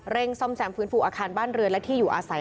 ซ่อมแซมฟื้นฟูอาคารบ้านเรือนและที่อยู่อาศัย